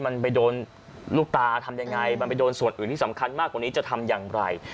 มันไปโดนลูกตาทำยังไงมันไปโดนส่วนอื่นที่สำคัญมากกว่านี้จะทำอย่างไร